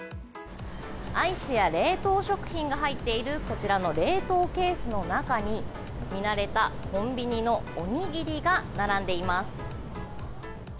アイスや冷凍食品が入っているこちらの冷凍ケースの中に見慣れたコンビニのおにぎりが並んでいます。